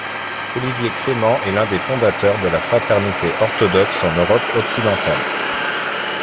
Olivier Clément est l'un des fondateurs de la Fraternité orthodoxe en Europe occidentale.